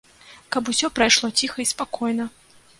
Каб усё прайшло ціха і спакойна.